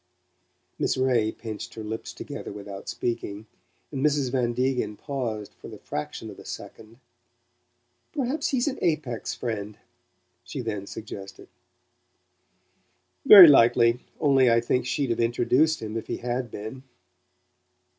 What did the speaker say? Miss Ray pinched her lips together without speaking, and Mrs. Van Degen paused for the fraction of a second. "Perhaps he's an Apex friend," she then suggested. "Very likely. Only I think she'd have introduced him if he had been."